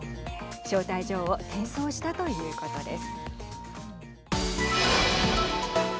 招待状を転送したということです。